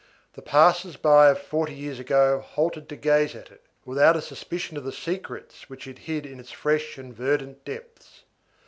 The passers by of forty years ago halted to gaze at it, without a suspicion of the secrets which it hid in its fresh and verdant depths.